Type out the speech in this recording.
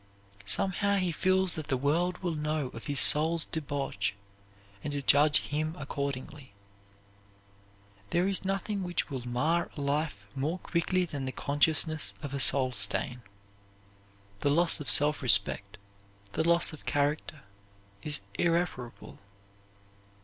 Somehow he feels that the world will know of his soul's debauch and judge him accordingly. There is nothing which will mar a life more quickly than the consciousness of a soul stain. The loss of self respect, the loss of character, is irreparable.